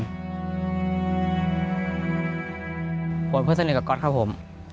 ผมเพื่อนสนิทกับก๊อตครับผม